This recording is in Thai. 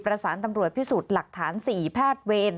ประสานตำรวจพิสูจน์หลักฐาน๔แพทย์เวร